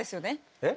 えっ？